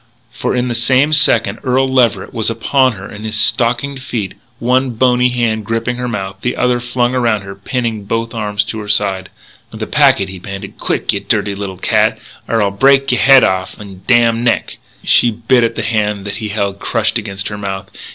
For in the same second Earl Leverett was upon her in his stockinged feet, one bony hand gripping her mouth, the other flung around her, pinning both arms to her sides. "The packet!" he panted, " quick, yeh dirty little cat, 'r'I'll break yeh head off'n yeh damn neck!" She bit at the hand that he held crushed against her mouth.